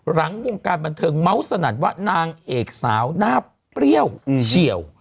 หลังวงการบันเทิงเมาส์สนั่นว่านางเอกสาวหน้าเปรี้ยวเฉียว